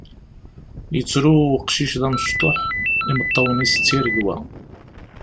Yettru uqcic d amecṭuḥ, imeṭṭawen-is d tiregwa.